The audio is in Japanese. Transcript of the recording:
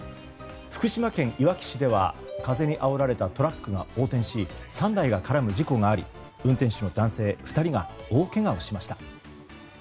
福島県いわき市では風にあおられたトラックが横転し３台が絡む事故があり運転手の男性２人が大けがをしました。